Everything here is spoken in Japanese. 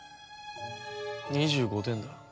２５点だ。